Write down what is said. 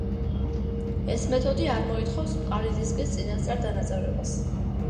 ეს მეთოდი არ მოითხოვს მყარი დისკის წინასწარ დანაწევრებას.